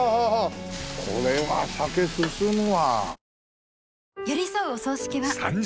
これは酒進むわ。